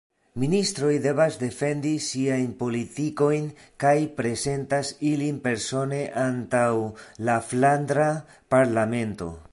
Ministroj devas defendi siajn politikojn kaj prezentas ilin persone antaŭ la Flandra Parlamento.